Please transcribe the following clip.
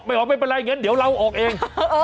ไม่ออกไม่เป็นไรเงินเดี๋ยวเราออกเอง